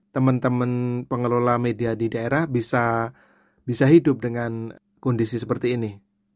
teman teman pengelola media di daerah bisa hidup dengan kondisi seperti ini